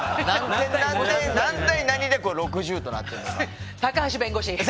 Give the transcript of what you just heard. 何対何で６０となってるのか。